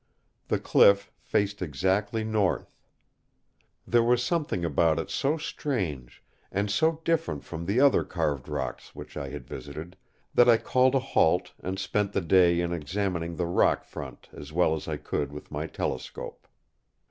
The cliff faced exactly north. There was something about it so strange, and so different from the other carved rocks which I had visited, that I called a halt and spent the day in examining the rock front as well as I could with my telescope.